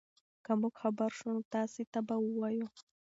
که موږ خبر شو نو تاسي ته به ووایو.